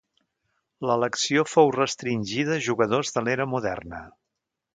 L'elecció fou restringida a jugadors de l'era moderna.